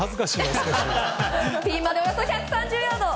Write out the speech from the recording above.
ピンまでおよそ１３０ヤード。